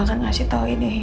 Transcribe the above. aku bisa bawa dia ke rumah